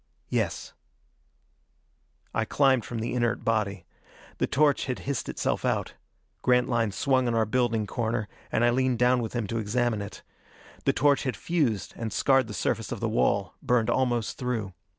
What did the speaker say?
"Yes." I climbed from the inert body. The torch had hissed itself out. Grantline swung on our building corner, and I leaned down with him to examine it. The torch had fused and scarred the surface of the wall, burned almost through.